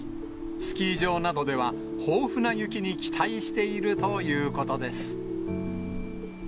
スキー場などでは、豊富な雪に期待しているということです。